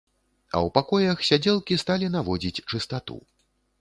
А ў пакоях сядзелкі сталі наводзіць чыстату.